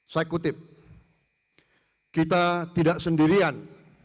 saya kutip kita tidak sendirian